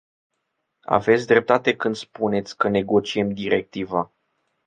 Aveți dreptate când spuneți că negociem directiva.